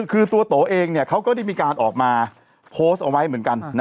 คือตัวโตเองเขาก็ได้มีการออกมาโพสต์เอาไว้เหมือนกัน